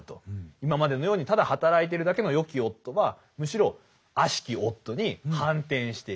今までのようにただ働いてるだけのよき夫はむしろあしき夫に反転していく。